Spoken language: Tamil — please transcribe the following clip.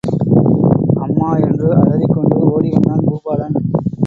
அம்மா என்று அலறிக் கொண்டு ஓடி வந்தான் பூபாலன்.